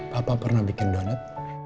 papa pernah bikin donat